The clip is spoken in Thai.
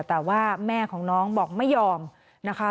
แต่ว่าแม่ของน้องบอกไม่ยอมนะคะ